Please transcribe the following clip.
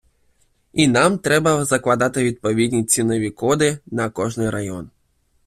І нам треба закладати відповідні цінові коди на кожний район.